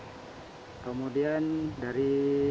gajah asia adalah dua gajah yang terdapat